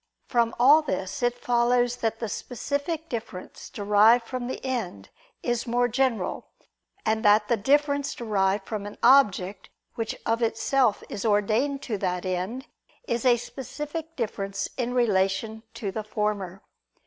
From all this it follows that the specific difference derived from the end, is more general; and that the difference derived from an object which of itself is ordained to that end, is a specific difference in relation to the former.